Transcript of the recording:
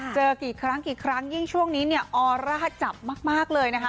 เจอกี่ครั้งกี่ครั้งยิ่งช่วงนี้เนี่ยออร่าจับมากเลยนะคะ